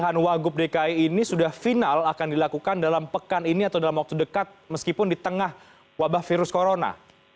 pemilihan wagub dki ini sudah final akan dilakukan dalam pekan ini atau dalam waktu dekat meskipun di tengah wabah virus corona